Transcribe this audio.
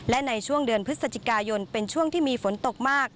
และในช่วงเดือนพฤศจิกายนเป็นช่วงที่มีฝนตกมาก